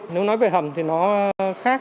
nếu nói về hầm thì nó khác